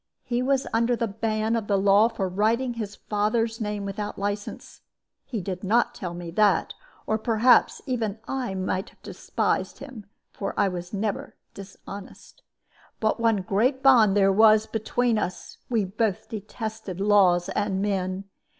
He was under the ban of the law for writing his father's name without license. He did not tell me that, or perhaps even I might have despised him, for I never was dishonest. But one great bond there was between us we both detested laws and men.